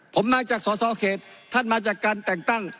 ผมมาจากสอสอเขตท่านมาจากการแต่งตั้ง